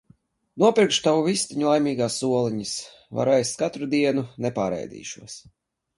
Nopirkšu tavu vistiņu laimīgās oliņas, varu ēst katru dienu, nepārēdīšos!